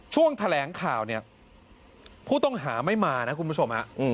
ช่วงแถลงข่าวเนี่ยผู้ต้องหาไม่มานะคุณผู้ชมฮะ